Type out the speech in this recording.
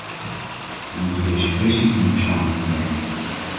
We moeten deze kwesties dan ook samenbrengen.